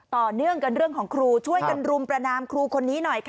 ต่อเนื่องกันเรื่องของครูช่วยกันรุมประนามครูคนนี้หน่อยค่ะ